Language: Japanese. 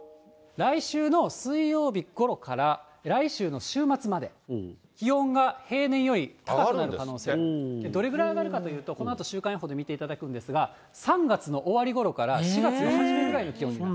来週の水曜日ごろから、来週の週末まで、気温が平年より高くなる可能性、どれぐらい上がるかというと、このあと週間予報で見ていただくんですが、３月の終わりごろから４月の初めぐらいの気温になる。